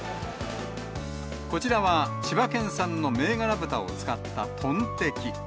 こちらは千葉県産の銘柄豚を使ったトンテキ。